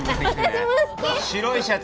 白いシャツ